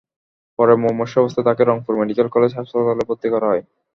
পরে মুমূর্ষু অবস্থায় তাঁকে রংপুর মেডিকেল কলেজ হাসপাতালে ভর্তি করা হয়।